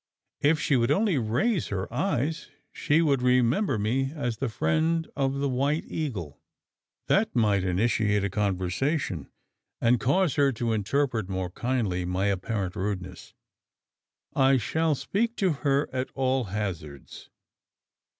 "If she would only raise her eyes, she would remember me as the friend of the White Eagle. That might initiate a conversation; and cause her to interpret more kindly my apparent rudeness. I shall speak to her at all hazards.